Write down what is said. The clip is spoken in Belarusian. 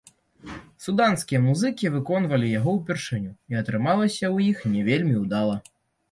Суданскія музыкі выконвалі яго ўпершыню і атрымалася ў іх не вельмі ўдала.